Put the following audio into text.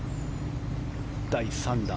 第３打。